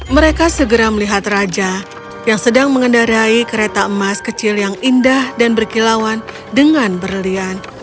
mereka segera melihat raja yang sedang mengendarai kereta emas kecil yang indah dan berkilauan dengan berlian